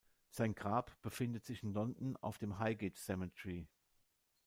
Sein Grab befindet sich in London auf dem Highgate Cemetery.